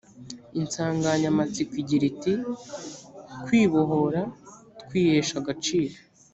insanganyamatsiko igira iti kwibohora twihesha agaciro